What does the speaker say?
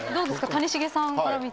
谷繁さんから見て。